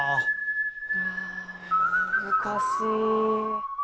あ難しい。